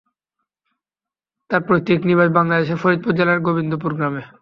তার পৈতৃক নিবাস বাংলাদেশের ফরিদপুর জেলার গোবিন্দপুর গ্রামে।